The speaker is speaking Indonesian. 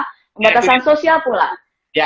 pembatasan sosial pula